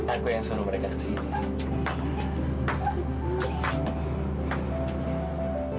aku yang suruh mereka ke sini